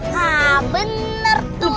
hah bener tuh luas